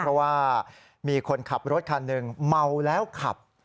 เพราะว่ามีคนขับรถคันหนึ่งเมาแล้วขับ